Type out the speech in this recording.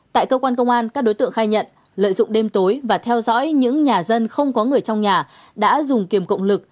tại cơ quan công an các đối tượng khai nhận lợi dụng đêm tối và theo dõi những nhà dân không có người trong nhà đã dùng kiềm cộng lực